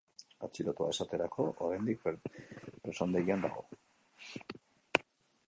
Atxilotua esaterako, oraindik presondegian dago.